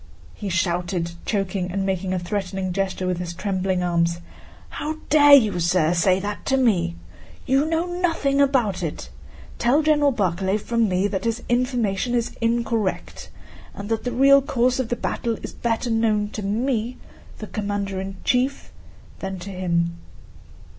he shouted, choking and making a threatening gesture with his trembling arms: "How dare you, sir, say that to me? You know nothing about it. Tell General Barclay from me that his information is incorrect and that the real course of the battle is better known to me, the commander in chief, than to him."